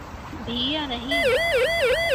بھی یا نہیں۔